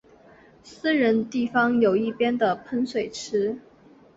私人地方的一边有喷水池。